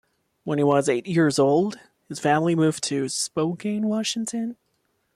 When he was eight years old, his family moved to Spokane, Washington.